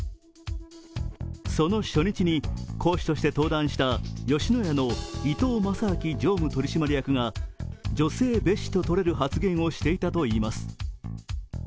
その初日に講師として登壇した吉野家の伊東正明常務取締役が女性蔑視ととれる発言をしていたといいます。